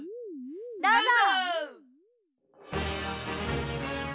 どうぞ！